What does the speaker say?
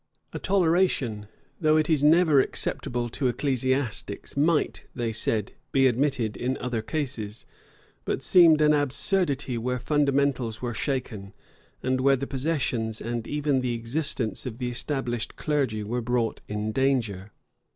A toleration, though it is never acceptable to ecclesiastics, might, they said, be admitted in other cases; but seemed an absurdity where fundamentals were shaken, and where the possessions and even the existence of the established clergy were brought in danger.